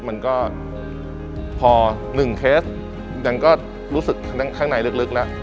มันก็พอ๑เคสยังก็รู้สึกข้างในลึกแล้ว